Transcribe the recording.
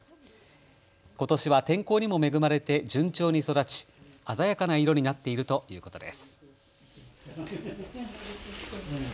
ことしは天候にも恵まれて順調に育ち、鮮やかな色になっているということです。